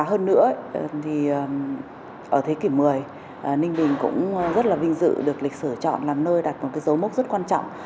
ở thế kỷ một mươi ninh bình cũng rất là vinh dự được lịch sử chọn là nơi đặt một dấu mốc rất quan trọng